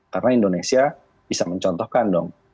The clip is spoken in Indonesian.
karena indonesia bisa mencontohkan dong